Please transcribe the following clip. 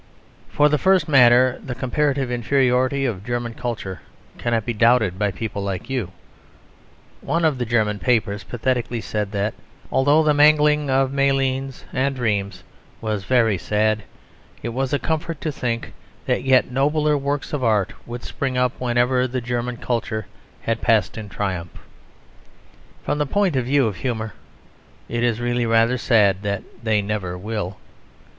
For the first matter, the comparative inferiority of German culture cannot be doubted by people like you. One of the German papers pathetically said that, though the mangling of Malines and Rheims was very sad, it was a comfort to think that yet nobler works of art would spring up wherever the German culture had passed in triumph. From the point of view of humour, it is really rather sad that they never will.